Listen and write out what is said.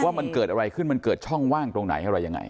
ว่ามันเกิดอะไรขึ้นมันเกิดช่องว่างตรงไหนอะไรยังไง